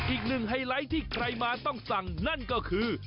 ไฮไลท์ที่ใครมาต้องสั่งนั่นก็คือ